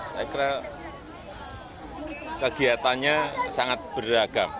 saya kira kegiatannya sangat beragam